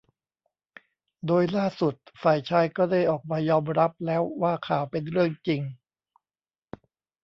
โดยล่าสุดฝ่ายชายก็ได้ออกมายอมรับแล้วว่าข่าว เป็นเรื่องจริง